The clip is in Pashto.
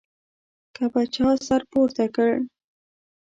که به چا سر پورته کړ.